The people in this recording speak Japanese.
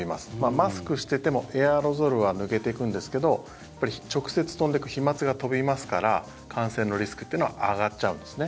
マスクしててもエアロゾルは抜けてくんですけど直接、飛んでいく飛まつが飛びますから感染のリスクというのは上がっちゃうんですね。